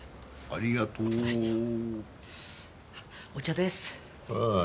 ありがとうウッ！